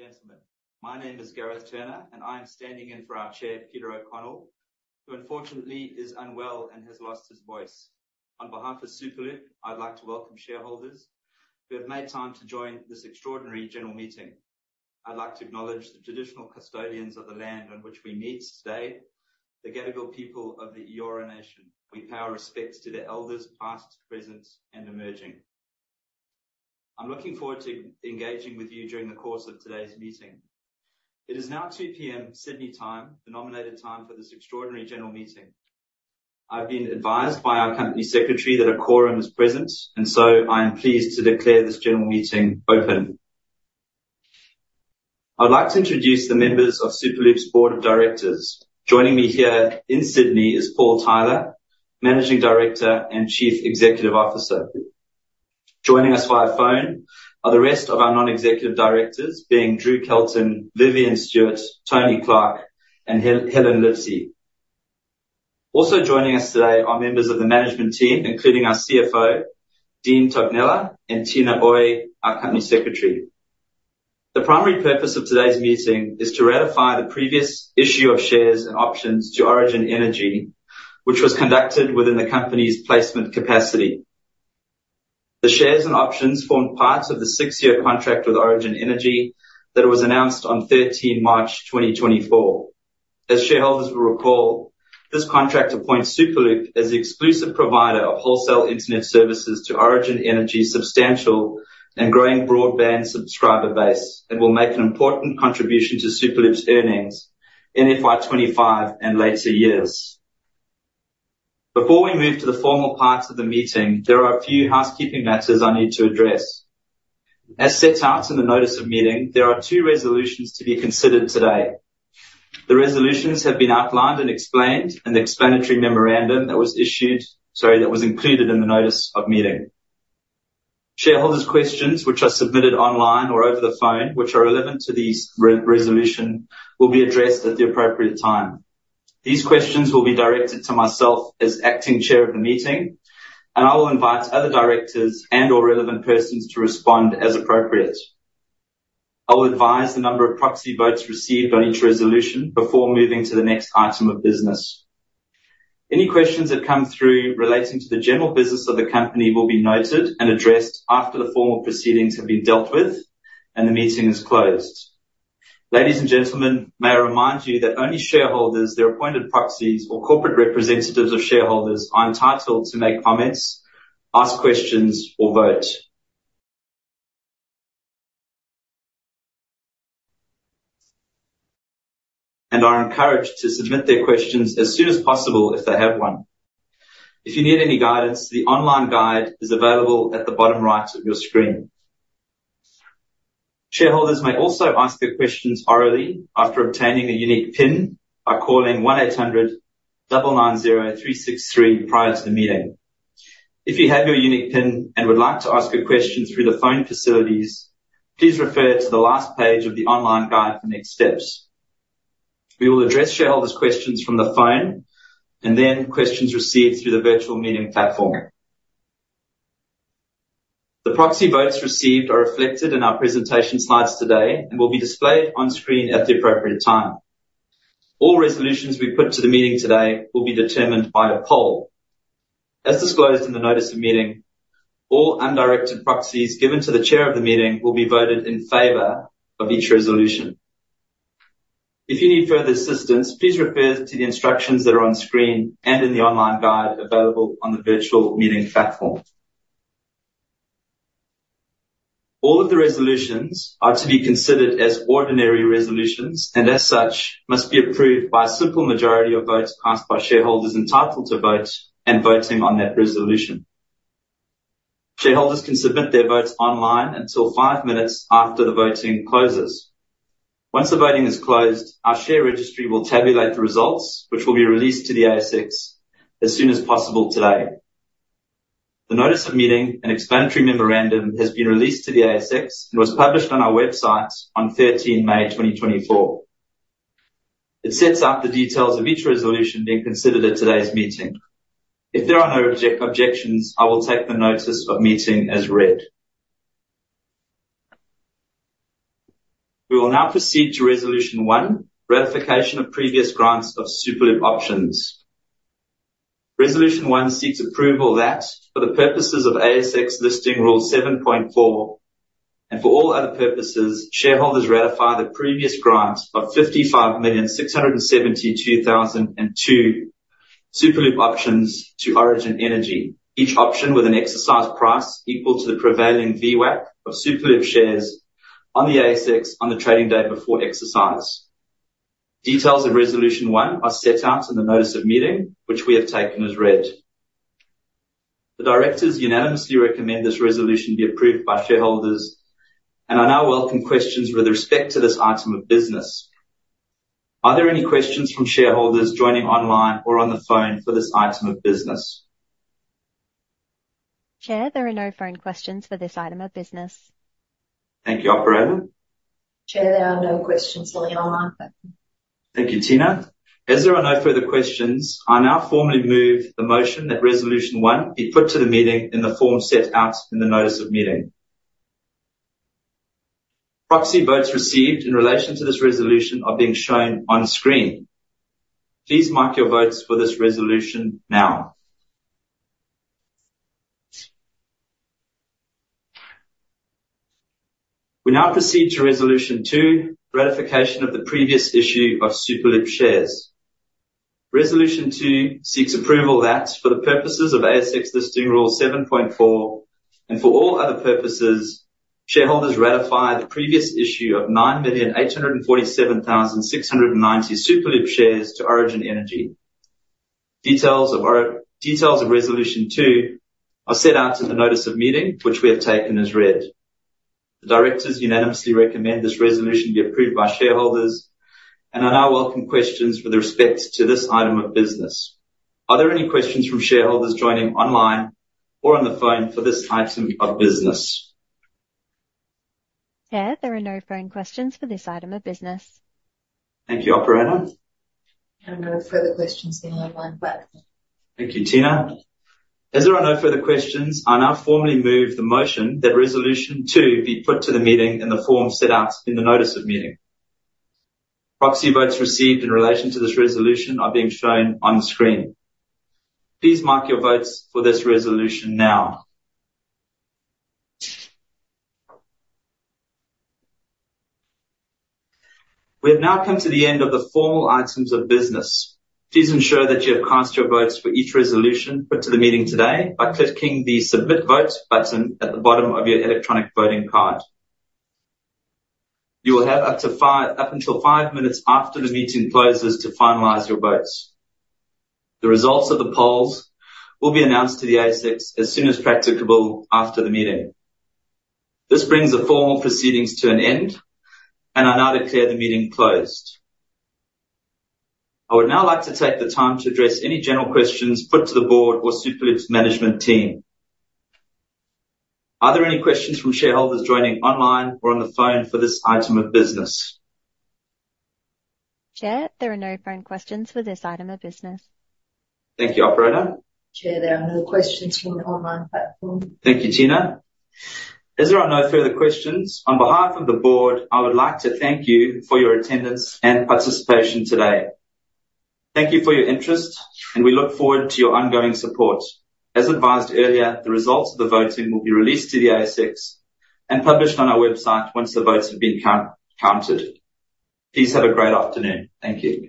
Ladies and gentlemen, my name is Gareth Turner, and I am standing in for our Chair, Peter O'Connell, who unfortunately is unwell and has lost his voice. On behalf of Superloop, I'd like to welcome shareholders who have made time to join this extraordinary general meeting. I'd like to acknowledge the traditional custodians of the land on which we meet today, the Gadigal people of the Eora Nation. We pay our respects to their elders, past, present, and emerging. I'm looking forward to engaging with you during the course of today's meeting. It is now 2:00 P.M., Sydney time, the nominated time for this extraordinary general meeting. I've been advised by our company secretary that a quorum is present, and so I am pleased to declare this general meeting open. I'd like to introduce the members of Superloop's board of directors. Joining me here in Sydney is Paul Tyler, Managing Director and Chief Executive Officer. Joining us via phone are the rest of our non-executive directors, being Drew Kelton, Vivian Stewart, Tony Clark, and Helen Livesey. Also joining us today are members of the management team, including our CFO, Dean Tognella, and Tina Ooi, our Company Secretary. The primary purpose of today's meeting is to ratify the previous issue of shares and options to Origin Energy, which was conducted within the company's placement capacity. The shares and options form part of the six-year contract with Origin Energy that was announced on 13 March 2024. As shareholders will recall, this contract appoints Superloop as the exclusive provider of wholesale internet services to Origin Energy's substantial and growing broadband subscriber base, and will make an important contribution to Superloop's earnings in FY 2025 and later years. Before we move to the formal parts of the meeting, there are a few housekeeping matters I need to address. As set out in the Notice of Meeting, there are two resolutions to be considered today. The resolutions have been outlined and explained in the Explanatory Memorandum that was issued, sorry, that was included in the Notice of Meeting. Shareholders' questions which are submitted online or over the phone, which are relevant to these resolutions, will be addressed at the appropriate time. These questions will be directed to myself as acting chair of the meeting, and I will invite other directors and/or relevant persons to respond as appropriate. I will advise the number of proxy votes received on each resolution before moving to the next item of business. Any questions that come through relating to the general business of the company will be noted and addressed after the formal proceedings have been dealt with and the meeting is closed. Ladies and gentlemen, may I remind you that only shareholders, their appointed proxies, or corporate representatives of shareholders are entitled to make comments, ask questions, or vote. And are encouraged to submit their questions as soon as possible if they have one. If you need any guidance, the online guide is available at the bottom right of your screen. Shareholders may also ask their questions orally after obtaining a unique PIN by calling 1800-990-363 prior to the meeting. If you have your unique PIN and would like to ask a question through the phone facilities, please refer to the last page of the online guide for next steps. We will address shareholders' questions from the phone and then questions received through the virtual meeting platform. The proxy votes received are reflected in our presentation slides today and will be displayed on screen at the appropriate time. All resolutions we put to the meeting today will be determined by a poll. As disclosed in the Notice of Meeting, all undirected proxies given to the chair of the meeting will be voted in favor of each resolution. If you need further assistance, please refer to the instructions that are on screen and in the online guide available on the virtual meeting platform. All of the resolutions are to be considered as ordinary resolutions, and as such, must be approved by a simple majority of votes cast by shareholders entitled to vote and voting on that resolution. Shareholders can submit their votes online until five minutes after the voting closes. Once the voting is closed, our share registry will tabulate the results, which will be released to the ASX as soon as possible today. The Notice of Meeting and Explanatory Memorandum has been released to the ASX and was published on our website on 13 May 2024. It sets out the details of each resolution being considered at today's meeting. If there are no objections, I will take the Notice of Meeting as read. We will now proceed to Resolution 1: Ratification of previous grants of Superloop options. Resolution 1 seeks approval that for the purposes of ASX Listing Rule 7.4, and for all other purposes, shareholders ratify the previous grant of 55,672,002 Superloop options to Origin Energy, each option with an exercise price equal to the prevailing VWAP of Superloop shares on the ASX on the trading day before exercise. Details of Resolution 1 are set out in the Notice of Meeting, which we have taken as read. The directors unanimously recommend this resolution be approved by shareholders and I now welcome questions with respect to this item of business. Are there any questions from shareholders joining online or on the phone for this item of business? Chair, there are no phone questions for this item of business. Thank you, operator. Chair, there are no questions on the online platform.... Thank you, Tina. As there are no further questions, I now formally move the motion that Resolution 1 be put to the meeting in the form set out in the Notice of Meeting. Proxy votes received in relation to this resolution are being shown on screen. Please mark your votes for this resolution now. We now proceed to Resolution 2: Ratification of the previous issue of Superloop shares. Resolution 2 seeks approval that, for the purposes of ASX Listing Rule 7.4, and for all other purposes, shareholders ratify the previous issue of 9,847,690 Superloop shares to Origin Energy. Details of Resolution 2 are set out in the Notice of Meeting, which we have taken as read. The directors unanimously recommend this resolution be approved by shareholders, and I now welcome questions with respect to this item of business. Are there any questions from shareholders joining online or on the phone for this item of business? Chair, there are no phone questions for this item of business. Thank you, operator. No further questions in the online platform. Thank you, Tina. As there are no further questions, I now formally move the motion that Resolution 2 be put to the meeting in the form set out in the Notice of Meeting. Proxy votes received in relation to this resolution are being shown on the screen. Please mark your votes for this resolution now. We have now come to the end of the formal items of business. Please ensure that you have cast your votes for each resolution put to the meeting today by clicking the "Submit Vote" button at the bottom of your electronic voting card. You will have up until five minutes after the meeting closes to finalize your votes. The results of the polls will be announced to the ASX as soon as practicable after the meeting. This brings the formal proceedings to an end, and I now declare the meeting closed. I would now like to take the time to address any general questions put to the board or Superloop's management team. Are there any questions from shareholders joining online or on the phone for this item of business? Chair, there are no phone questions for this item of business. Thank you, operator. Chair, there are no questions from the online platform. Thank you, Tina. As there are no further questions, on behalf of the board, I would like to thank you for your attendance and participation today. Thank you for your interest, and we look forward to your ongoing support. As advised earlier, the results of the voting will be released to the ASX and published on our website once the votes have been counted. Please have a great afternoon. Thank you.